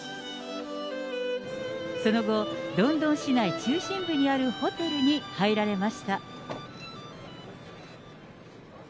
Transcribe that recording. その後、ロンドン市内中心部にあるホテルに入られました。